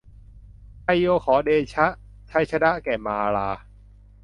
ไชโยขอเดชะ ชัยชนะแก่มารา